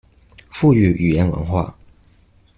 復育語言文化